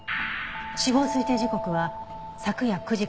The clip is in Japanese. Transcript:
死亡推定時刻は昨夜９時から１１時。